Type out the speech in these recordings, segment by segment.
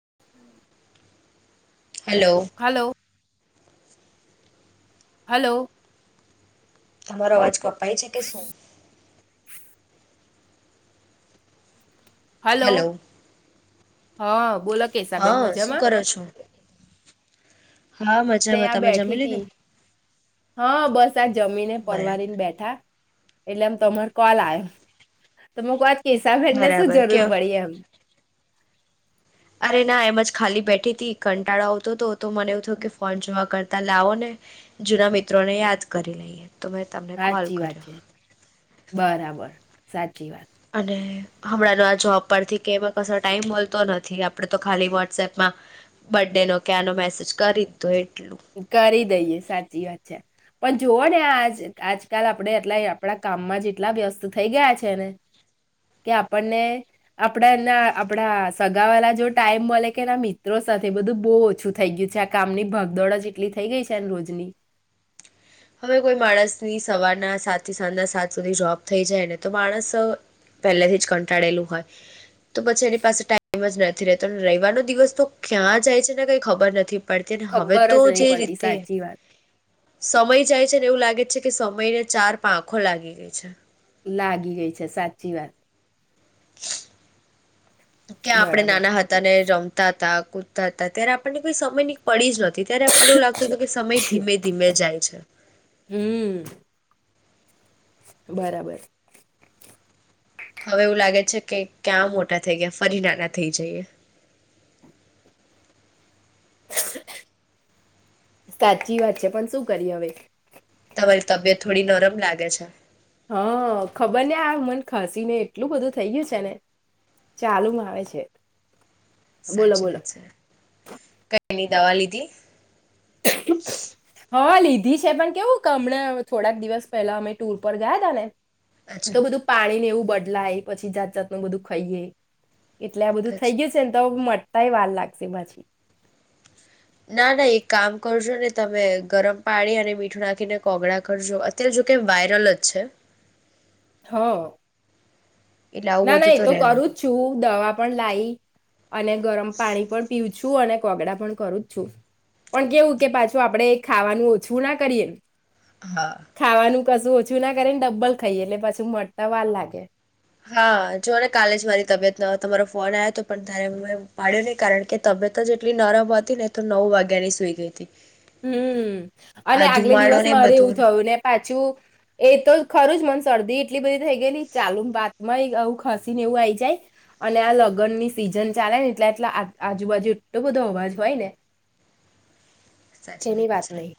[inaudible] Hello hello hello તમારો અવાજ કપાય છે કે શું? હલો હા બોલો કેસાબેન હા શું મજામાં કરો છું? હા ને મજામાં આ તમે બેઠી જમી તી લીધું હા બસ. જમીને બરાબર પરવારીને બેઠા. એટલે આમ તમાર કોલ આવે તોમ વાત. કેસાભર ને શું બરાબર જરૂર કેવ પડી એમ. અરે ના એમજ ખાલી બેઠી હતીથી કંટાળો આવતો હતો તો મને એવું થયું કે ફોન જોવા કરતા લાવો ને જૂના મિત્રોને યાદ કરી લઈએ. તો મેં તમને કોલ સાચી વાત કર્યો. છે બરાબર સાચી વાત અને હમણાંનો આ જોબ પરથી કેમાં કો ટાઈમ મળલતો નથી આપડે તો ખાલી વોટ્સએપમાં બર્ ડેનોો કે આનો મેસેજ કરી દીધો એ કરી દઈએ સાચી વાત છે. પણ જોુઓ ને આ આજકાલ આપણેે એટલા આપણા કામમાં જ એટલા વ્યસ્ત થઈ ગયા છે ને કે આપણને આપણા એના આપણા સગાવાલા જો ટાઈમ મળે કે એના મિત્રો સાથે બધું બહુ ઓછું થઈ ગયું છે આ કામની ભગદોડ જ. જેટલી થઈ ગઈ છે એ રોજની. હવે કોઈ માણસની સવારના સાત થી સાંજના સાત સુધી જોપ થઈ જાય ને તો માણસ પહેલાથી જ કંટાળેલું હોય તો પછી એની પાસે ટાઈમ જ નથી રતો રવાનો દિવસ તો ક્યાં જાય છે ને કઈ ખબર નથી પડતી હવે ખબર તો જ નહીં જે પડતી રીતે સાચી વાત સમય જાય છે ને એવું લાગે છે, કે સમય ને ચાર પાંખો લાગી ગઈ છે. લાગી ગઈ છે સાચી વાત. ક્યાં આપડે બરાબર નાના હતા ને રમ તાતા કૂદતા હતા ત્યારે આપણને કોઈ સમયની પડી જ ન‌હતી. ત્યારે આપને એવું લાગતું હતું કે સમય ધીમે ધીમે જાય છે. હમ બરાબર. હવે એવું લાગે છે કે ક્યાં મોટા થઈ ગયા ફરી નાના થઈ જઈએ. [inaudible] સાચી વાત છે પણ શું કરીએ હવે? તમારી તબિયત થોડી નરમ લાગે છે. હા ખબરને આ મને ખસીને એટલું બધું થઈ ગયું છે ને ચાલુમાં આવે છે. બોલો સાચી બોલો વાત છે. તેની દવા લીધી? હા લીધી છે પણ કેવું કે હમણાં થોડાક દિવસ પહેલા અમે ટુર પર ગયા તા ને અચ્છા તો બધું પાણીને એવું બદલાય પછી જાત જાતનું બધું ખાઈએ. એટલે આ બધું થઈ અચ્છા ગયું છે ને તો તાય વાર લાગશે પાછી. ના ના એક કામ કરજો ને તમે ગરમ પાણી અને મીઠું નાખીને કોગળા કરજો અત્યારે જો કે વાયરલ જ છે. હા. એટલે આવું ના ના બધું એ તો કરું જ રહેવાનું છું. દવા પણ લાઈ અને ગરમ પાણી પણ પીવું છું. [unintelligible] અને કોગડા પણ કરું જ છું પણ કેવું કે પાછું આપણે ખાવાનું ઓછું ના કરીએ. હા. ખાવાનું કશું ઓછું ના કરે ને ડબ્બલ ખાઈએ એટલે પાછું મટતા વાર લાગે. હા જો ને કાલે જ મારી તબિયત ન તમારો ફોન આવયો હતો પણ ત્યારે મે પાડ્યો નહી કારણ કે તબિયત જ એટલી નરમ હતી ને તો નવ વાગ્યાની સુઈ ગઈ હતી. હમ્મ અને આ આગલે ધુમાડો દિવસ ને મારે એવું બધું થયું ને પાછું એ તો ખરું જ મને શરદી એટલી બધી થઈ ગયેલી ચાલુ બાત માંય આવું ખસી ને એવું આઈ જાય અને આ લગ્નની સિઝન ચાલેને એટલે આટલા આજુબાજુ એટલો બધો અવાજ હોય ને સાચી તેની વાત છે નહી.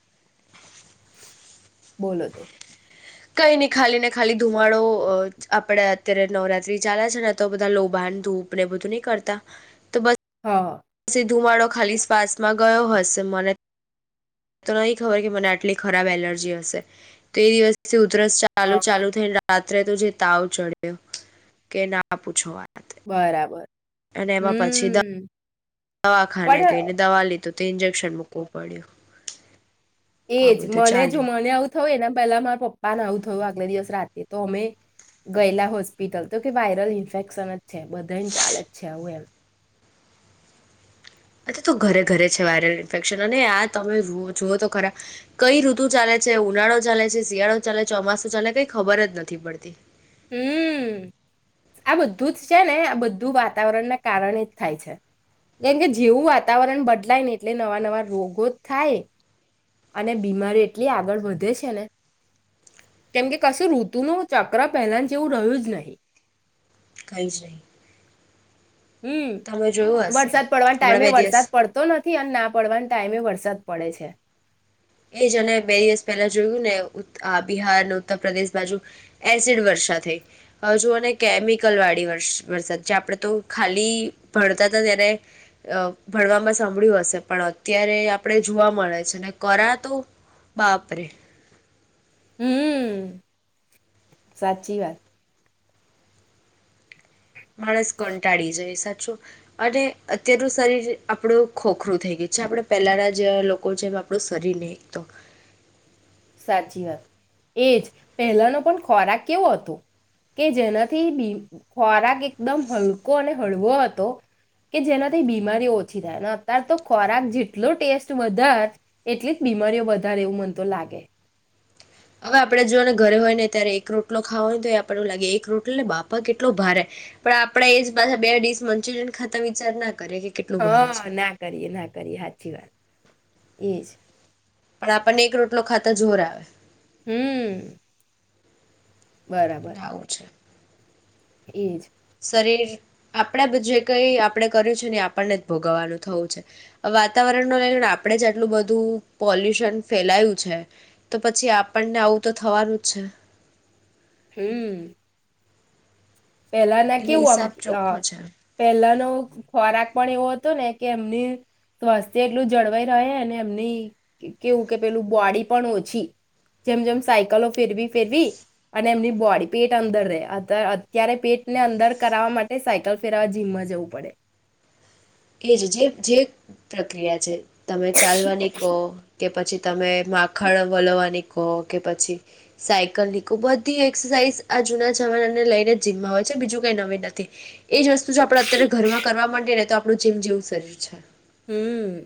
બોલો તો. કઈ નઈ ખાલી ને ખાલી ધુમાડો આપડે અત્યારે નવરાત્રી ચાલે છે ને તો બધા લોભાન ધૂપ ને બધું નહી કરતા તો બસ હા. એ ધુમાડો ખાલી શ્વાસમાં ગયો હશે મને તો નહી ખબર કે મને આટલી ખરાબ એલર્જી હશે તો એ દિવસ ઉુદરસ ચાલુ હા ચાલુ થઈને રાત્રેતો જે તાવ ચડ્યો કે ના પૂછો વાત. બરાબર. અને એમાં પછી હમ દવાખાને પણ ગઈને દવા લીધું. તો ઇન્જેક્શન મૂકવું પડ્યું. આ એજ બધું મને ચાલ્યું જો મને આવું તો એના પહેલા મારા પપ્પાને આવું થયું આગલા દિવસ રાતે તો અમે ગયેલા હોસ્પિટલ તો કે વાયરલ ઇન્ફેક્શન જ છે બધાને ચાલે જ છે આવું એમ. આજે તો ઘરે ઘરે છે વાયરલ ઇન્ફેક્શન અને આ તમે જુઓ તો ખરા કઈ ઋતુ ચાલે છે ઉનાળો ચાલે છે શિયાળો ચાલે ચોમાસું ચાલે છે કઈ ખબર જ નથી પડતી. હમ્મ આ બધું જ છે ને આ બધું વાતાવરણના કારણે જ થાય છે કેમ કે જેવું વાતાવરણ બદલાય ને એટલે નવા નવા રોગો જ થાય. અને બીમારી એટલી આગળ વધે છે ને કેમકે કશું ઋતુનું ચક્ર પહેલાન જેવું રહ્યું જ નહી. કઈ જ નઈ. હમ્મ વરસાદ પડવાના હમણાં ટાઈમે બે દિવસ વરસાદ પડતો નથી અને ના પડવાન ટાઈમે વરસાદ પડે છે. એ જ અને બે દિવસ પહેલા જોયું ને ઉત્ત આ બિહારન ઉત્તર પ્રદેશ બાજુ એસિડ વર્ષા થઈ હવે જુઓ ને કેમિકલ વાળી વરસ વરસાદ જે આપડે તો ખાલી ભણતાતા ત્યારે અ ભણવામાં સાંભળ્યું હશે પણ અત્યારે આપડે જોવા મળે છે ને કરાતો બાપરે. હમ્મ સાચી વાત. માણસ કંટાળી જાય સાચું અને અત્યારનું શરીર જે આપડુ ખોખરું થઈ ગયું છે આપડે પહેલાના જે લોકો છે એમ આપણું શરીર નહી એક તો. સાચી વાત એજ પહેલાનો પણ ખોરાક કેવો હતો કે જેનાથી બિ ખોરાક એકદમ હલકો અને હળવો હતો કે જેનાથી બીમારીઓ ઓછી થાય અને અતારતો ખોરાક જેટલો ટેસ્ટ વધાર એટલી જ બીમારીઓ વધાર એવું મન તો લાગે. હવે આપડે જો ને ઘરે હોય ને ત્યારે એક રોટલો ખાવો હોયને તો ય આપડને એવુ લાગે એક રોટલો એટલે બાપા કેટલો ભારે પણ આપડે એ જ પાછા બે ડીશ મંચુરિયન ખાતા વિચાર ના કરીએ કે કેટલું ભારે હા છે ના કરીએ ના કરીએ હાચી વાત એજ. પણ આપડને એક રોટલો ખાતા જોર આવે. હમ્મ. લાવું છે. એજ. શરીર આપડા જે કઈ આપડે કર્યું છે ને આપડને જ ભોગવવાનું થવું છે વાતાવરણ ન લઈને આપણે જ આટલું બધું પોલ્યુશન ફેલાયું છે તો પછી આપણને આવું તો થવાનું જ છે. હમ્મ. પેલા ના એટલે કેવું આમ હિસાબ અ ચોખ્ખો છે. પેલા નો ખોરાક પણ એવો હતો ને કે એમની સ્વાસ્થ્ય એટલું જળવાઈ રહે અને એમની કેવું કે પેલું બોડી પણ ઓછી જેમ જેમ સાયકલો ફેરવી ફેરવી અને એમની બોડી પેટ અંદર રહે અતાર અતાર ત્યારે પેટને અંદર કરાવવા માટે સાયકલ ફેરવા જીમમાં જવું પડે. એજ જે જે પ્રક્રિયા છે. તમે ચાલવાની કો કે પછી તમે માખણ વલોવાની કો કે પછી સાયકલ નીકો બધી એક્સરસાઇઝ આ જુના જમાના ને લઈને જીમમાં હોય છે બીજું કઈ નવી નથી એજ વસ્તુ જો આપડે અત્યારે ઘરમાં કરવા મંડીએને તો આપડુ જીમ જેવું જ શરીર છે હમ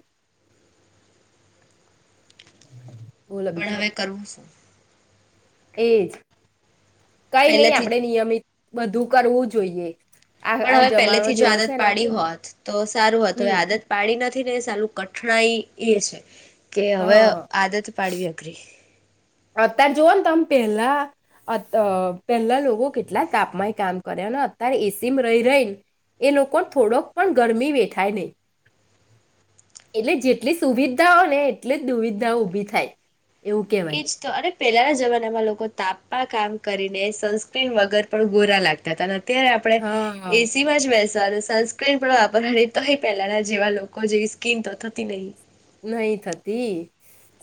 [inaudible] પણ હવે કરવું શું એ જ કઈ નઈ પહેલેથી આપડે નિયમિત બધું કરવું જોઈએ આ પણ આ હવે જમાનો પહેલેથી જો જેવો છે આદત ને પાડી હોત તો સારું હોત હવે હમ આદત પાડી નથી ને સાલું કઠનાઈ એ છે કે હ હવે આદત પાડવી અઘરી અતાર જોવોન તમ પેલા અત અ પેલ્લા લોકો કેટલા તાપમાંય કામ કરે અને અત્યારે એસીમાં રહી રહીને એ લોકો થોડોક પણ ગરમી વેઠાય નય. એટલે જેટલી સુવિધાઓને એટલી જ દુવિધાઓ ઊભી થાય. એવું કેવાય. એજ તો અરે પેલાના જમાનામાં લોકો તાપમાં કામ કરીને સનસ્ક્રીન વગર પણ ગોરા લાગતા હતા અત્યારે આપરે હા એસીમાં જ બેસી સનસ્ક્રીન પણ વાપરની તોય પેલાના જેવા લોકો જેવી સ્કીિન તો થતી નય. નય થતી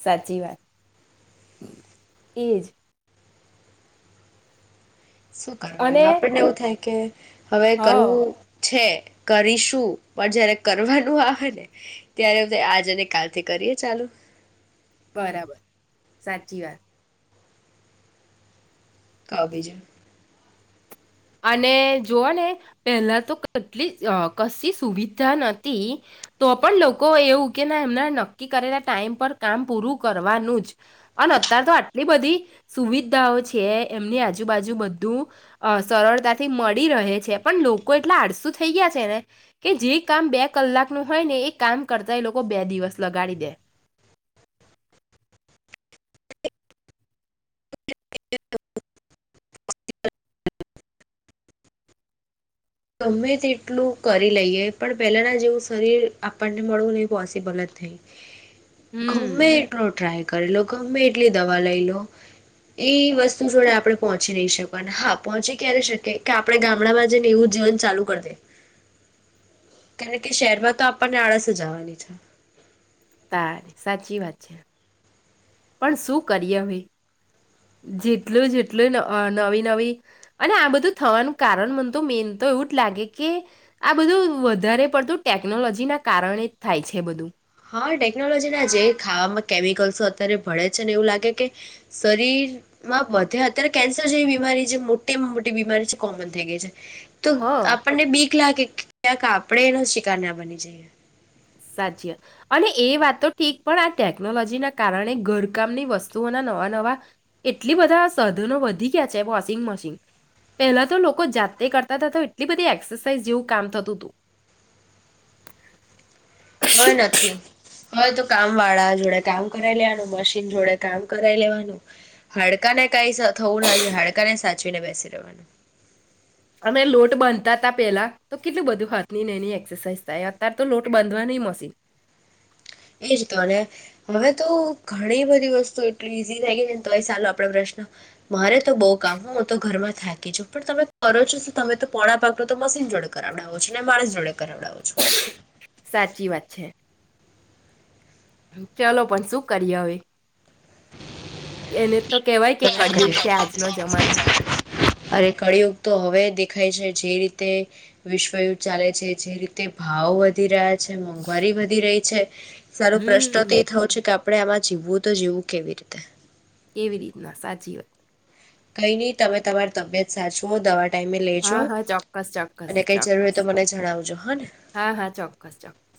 સાચી વાત, એજ. શું અને કરવાનું આપણને એવું થાય કે. હવે હ કરવું છે. કરીશું પણ જયારે કરવાનું આવે ને ત્યારે આજ અને કાલથી કરીએ ચાલો. બરાબર સાચી વાત. [unintelligible] અને જોવોને પહેલા તો કેટલી અ કશી સુવિધા નથી તો પણ લોકો એવું કે ના એમના નક્કી કરેલા ટાઈમ પર કામ પૂરું કરવાનું જ અને અતારતો આટલી બધી સુવિધાઓ છે એમની આજુબાજુ બધું અ સરળતાથી મળી રહે છે પણ લોકો એટલા આળસું થઈ ગયા છે ને કે જે કામ બે કલાક નું હોય ને એ કામ કરતા એ લોકો બે દિવસ લગાડી દે. [inaudible] [inaudible] ગમે તેટલું કરી લઈએ પણ પહેલાના જેવું શરીર આપણને મળવું ની પોસિબલ જ નઈ. ગમ્મે હમ એટલો ટ્રાય કરીલો ગમ્મે એટલી દવા લઈ લો એ વસ્તુ જોડે આપણે પહોંચી નય શકવાનાં હા પહોંચી ક્યારે શકીએ કે આપણે ગામડામાં જેમ એવુંજ જીવન ચાલુ કર દે [inaudible] [unintelligible] શેરમાં તો આપણને આળસ જ આવાની છે. તા સાચી વાત છે, પણ શું કરીએ હવે જેટલું જેટલું અ નવી નવી અને આ બધું થવાનું કારણ મનતો મેનતો એવું જ લાગે કે આ બધું વધારે પડતું ટેકનોલોજીનાં કારણે જ થાય છે બધું. હવે ટેકનોલોજીના જે ખાવામાં કેમિકલ્સો અત્યારે ભળે છે ને એવું લાગે કે શરીરમાં બધે અત્યારે કેન્સર જેવી બીમારી જે મોટીમાં મોટી બીમારી છે કોમન થઈ ગઈ છે. તો હા આપણને બીક લાગે. ક્યાંક આપરે એનો શિકારના બની જઈએ. સાચીયા અને એ વાત તો ઠીક પણ આ ટેકનોલોજીના કારણે ઘરકામની વસ્તુઓના નવા નવા એટલી બધા સાધનો વધી ગયા છે વોશિંગમશીન પહેલા તો લોકો જાતે કરતા હતા તો એટલી બધી એક્સસાઇઝ જેવું કામ થતુંતું. [inaudible] કય નથી. હવે તો કામવાળા જોડે કામ કરાય લેવાનું મશીન જોડે કામ કરાય લેવાનું હાડકા ને કાંઈ થવું ના [unintelligible] હાડકા ને સાચ [unintelligible] બેસી રહેવાનું. અને લોટ બાંધતા હતા પેલા તો કેટલું બધું હાથનીને એની એક્સસાાઈઝ થાય અત્યારે તો લોટ બાંધવાની મશીન. એજ તો [unintelligible] હવે તો ઘણી બધી વસ્તુ એટલી ઈઝી થઈ ગઈ છેને તોયે ચાલો આપરે પ્રશ્ન મારેતો બઉુ કામ હું તો ઘરમાં થાકી છું પણ તમે કરો છો તમે તો પોણા પાકનું તો મશીન જોડે કરાવડાવો છો ને માણસ જોડે. કરાવડાવો છો સાચી વાત છે. ચલો પણ શું કરીએ હવે [inaudible] એને તો કેવાય કે તો ના કળિયુગ કરીએ છે આજનો જમાનો. અરે કળિયુગ તો હવે દેખાય છે જે રીતે વિશ્વયુદ્ધ ચાલે છે જે રીતે ભાવો વધી રહ્યા છે મોંઘવારી વધી રહી છે. તારો પ્રશ્ન તે હમ થયો છે કે આપ- આપણે આમાં જીવવું તો જીવવું કેવી રીતે. કેવી રીતના સાચી વાત. કઈની તમે તમારી તબિયત સાચવો દવા ટાઈમે લેજો હા હા ચોક્કસ ચોક્કસ અને કઈ જરૂર હોય ચોક્કસ તો મને જણાવજો હા ને હા હા ચોક્કસ ચોક્કસ.